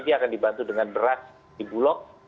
dia akan dibantu dengan beras dibulok